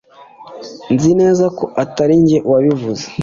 Nzi neza ko atari njye wabivuze